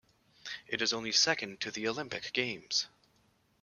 It is only second to the Olympic Games.